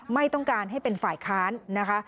ไม่ต้องการให้เป็นฝ่ายค้านนะคะ